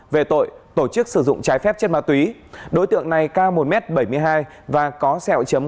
về tội tổ chức sử dụng trái phép chất ma túy đối tượng này cao một m bảy mươi hai và có sẹo chấm